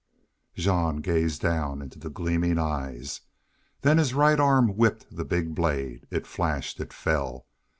Jean gazed down into the gleaming eyes. Then his right arm whipped the big blade. It flashed. It fell.